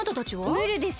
ムールです。